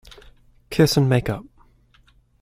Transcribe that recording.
Kiss and make up.